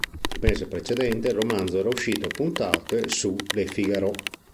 Il mese precedente il romanzo era uscito a puntate su "Le Figaro".